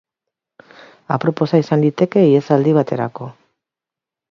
Aproposa izan liteke ihesaldi baterako.